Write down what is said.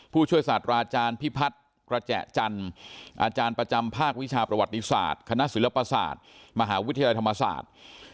ผู้ช่วยศาสตราอาจารย์พิพัฒน์กระแจจันทร์อาจารย์ประจำภาควิชาประวัติศาสตร์คณะศิลปศาสตร์มหาวิทยาลัยธรรมศาสตร์